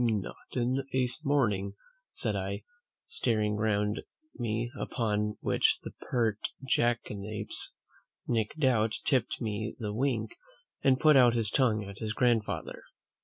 "Not in a morning!" said I, staring round me; upon which the pert jackanapes, Nic Doubt, tipped me the wink, and put out his tongue at his grandfather.